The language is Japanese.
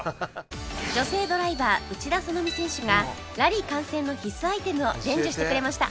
女性ドライバー内田園美選手がラリー観戦の必須アイテムを伝授してくれました